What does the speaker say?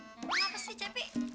ngapain sih cepi